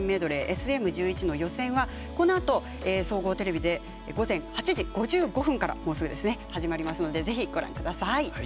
ＳＭ１１の予選はこのあと総合テレビで午前８時５５分からもうすぐですね始まりますのでご覧ください。